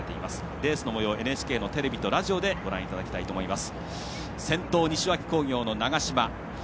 レースのもようＮＨＫの中継とラジオでご覧いただきたいと思います。